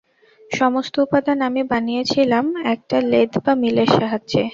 সমস্ত উপাদান আমি বানিয়েছিলাম একটা লেদ বা মিলের সাহায্যে।